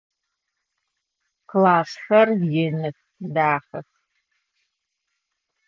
Klassxer yinıx, daxex.